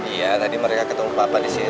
iya tadi mereka ketemu bapak di sini